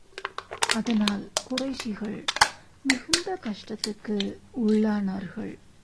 அதனால், குறைஷிகள் மிகுந்த கஷ்டத்துக்கு உள்ளானார்கள்.